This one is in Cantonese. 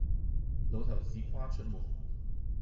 老頭子跨出門，